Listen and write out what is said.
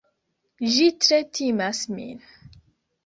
Ĝi tre timas min!